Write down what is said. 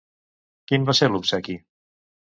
Quin va ser l'obsequi?